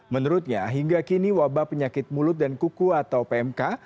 menurutnya hingga kini wabah penyakit mulut dan kuku atau pmk